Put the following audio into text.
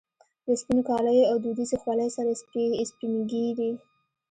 له سپینو کاليو او دودیزې خولۍ سره سپینږیری.